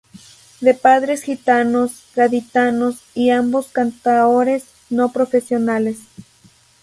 De padres gitanos, gaditanos y ambos cantaores no profesionales.